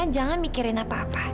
jangan mikirkan apa apa